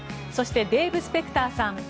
そして、デーブ・スペクターさん